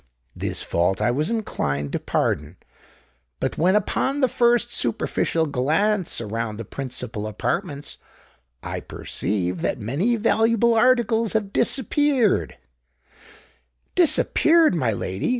This fault I was inclined to pardon: but when, upon the first superficial glance around the principal apartments, I perceive that many valuable articles have disappeared——" "Disappeared, my lady!"